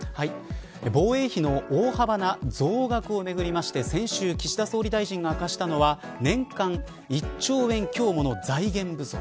防衛費の大幅な増額をめぐりまして先週、岸田総理大臣が明かしたのは年間１兆円強もの財源不足。